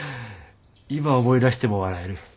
今思い出しても笑える。